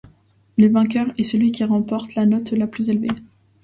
Le vainqueur est celui qui remporte la note la plus élevée.